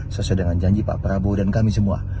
sesuai dengan janji pak prabowo dan kami semua